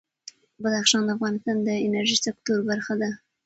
بدخشان د افغانستان د انرژۍ سکتور برخه ده.